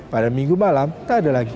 pada minggu malam tak ada lagi